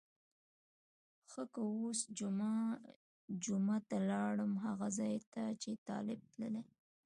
ښه که اوس جمعه ته لاړم هغه ځای ته چې طالب تللی.